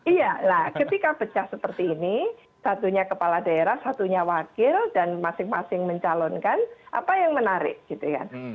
iya lah ketika pecah seperti ini satunya kepala daerah satunya wakil dan masing masing mencalonkan apa yang menarik gitu kan